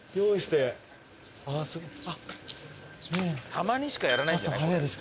たまにしかやらないんじゃない？